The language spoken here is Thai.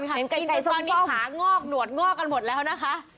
เห็นไก่ไก่ส้มส้มมีขางอกหนวดงอกกันหมดแล้วนะคะ